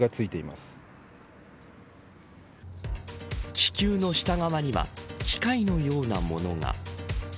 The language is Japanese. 気球の下側には機械のようなものが。